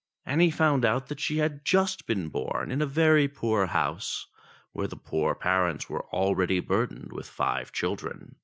And he found out that she had just been born in a very poor house, where the poor parents were already burdened with five children.